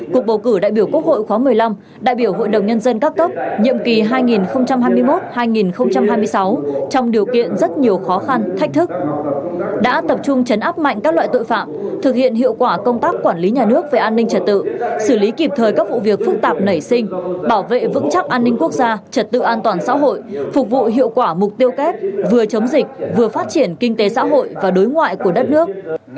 cuộc bầu cử đại biểu quốc hội khóa một mươi năm đại biểu hội đồng nhân dân các tốc nhiệm kỳ hai nghìn hai mươi một hai nghìn hai mươi sáu trong điều kiện rất nhiều khó khăn thách thức đã tập trung chấn áp mạnh các loại tội phạm thực hiện hiệu quả công tác quản lý nhà nước về an ninh trật tự xử lý kịp thời các vụ việc phức tạp nảy sinh bảo vệ vững chắc an ninh quốc gia trật tự an toàn xã hội phục vụ hiệu quả mục tiêu kết vừa chống dịch vừa phát triển kinh tế xã hội và đối ngoại của đất nước